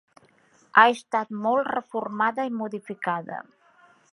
Ha estat molt reformada i modificada.